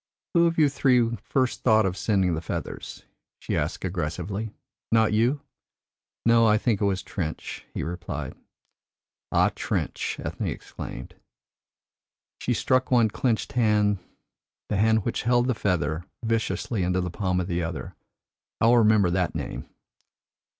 "Who of you three first thought of sending the feathers?" she asked aggressively. "Not you?" "No; I think it was Trench," he replied. "Ah, Trench!" Ethne exclaimed. She struck one clenched hand, the hand which held the feather, viciously into the palm of the other. "I will remember that name."